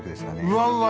うわうわ。